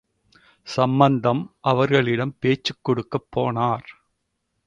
சம்பந்தம், அவளிடம் பேச்சுக் கொடுக்கப் போனார்.